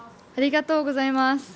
ありがとうございます。